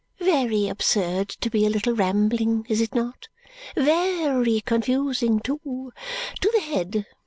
Ve ry absurd, to be a little rambling, is it not? Ve ry confusing, too. To the head.